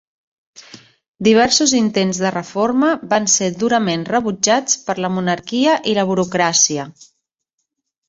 Diversos intents de reforma van ser durament rebutjats per la monarquia i la burocràcia.